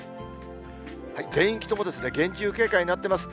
全域とも厳重警戒になっていますね。